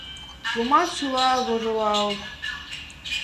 Лумат шула вожылал.